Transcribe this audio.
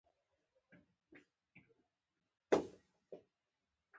مصنوعي ځیرکتیا د ځواک او کنټرول بحث پراخوي.